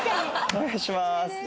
お願いします！